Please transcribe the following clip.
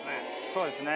そうですね。